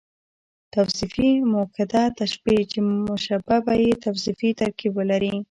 توصيفي مؤکده تشبیه، چي مشبه به ئې توصیفي ترکيب ولري.